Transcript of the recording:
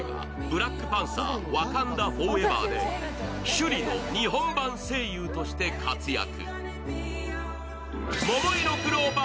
「ブラックパンサーワカンダ・フォーエバー」でシュリの日本版声優として活躍。